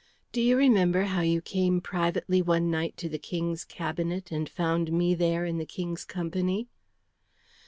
Do you remember how you came privately one night to the King's cabinet and found me there in the King's company?"